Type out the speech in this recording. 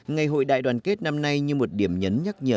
ngày hội đại đoàn kết năm nay như một điểm nhấn nhắc nhở